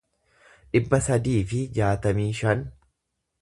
dhibba sadii fi jaatamii shan